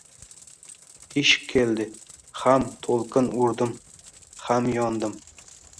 Ishq keldi, ham to‘lqin urdim, ham yondim!